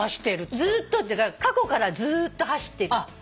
「ずっと」って過去からずっと走ってる。